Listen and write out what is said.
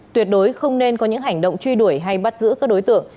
tuyệt đối không nên có những hành động truy đuổi hay bắt giữ các đối tượng